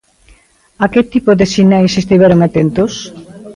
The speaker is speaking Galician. A que tipo de sinais estiveron atentos?